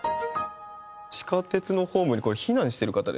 地下鉄のホームにこれ避難してる方ですか？